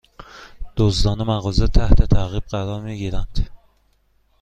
دزدان مغازه تحت تعقیب قرار می گیرند